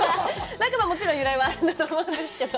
もちろん由来はあると思うんですけどね。